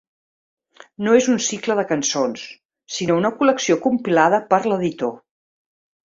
No és un cicle de cançons, sinó una col·lecció compilada per l'editor.